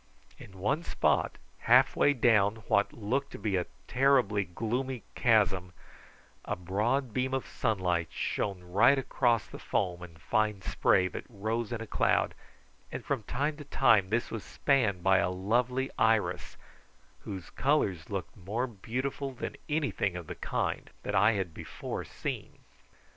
In one spot, half way down what looked to be a terribly gloomy chasm, a broad beam of sunlight shone right across the foam and fine spray that rose in a cloud, and from time to time this was spanned by a lovely iris, whose colours looked more beautiful than anything of the kind that I had before seen.